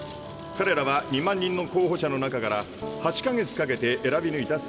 彼らは２万人の候補者の中から８か月かけて選びぬいた精鋭です。